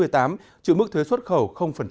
trừ mức thuê xuất khẩu